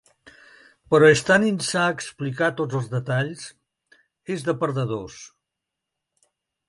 Però és tan insà explicar tots els detalls… És de perdedors.